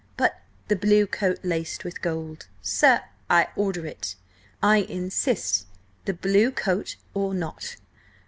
"But—" "The blue coat laced with gold." "Sir—" "I order it! I insist; The blue coat or nought!"